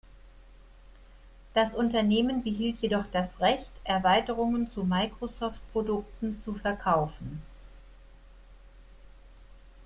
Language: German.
Das Unternehmen behielt jedoch das Recht, Erweiterungen zu Microsoft-Produkten zu verkaufen.